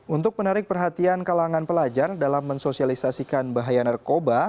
untuk menarik perhatian kalangan pelajar dalam mensosialisasikan bahaya narkoba